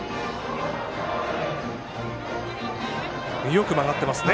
よく曲がってますね。